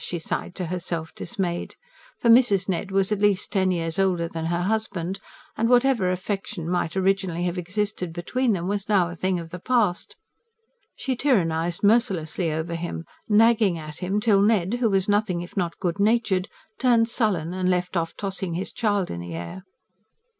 she sighed to herself dismayed. For Mrs. Ned was at least ten years older than her husband; and whatever affection might originally have existed between them was now a thing of the past She tyrannised mercilessly over him, nagging at him till Ned, who was nothing if not good natured, turned sullen and left off tossing his child in the air.